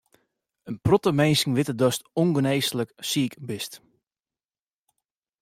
In protte minsken witte datst ûngenêslik siik bist.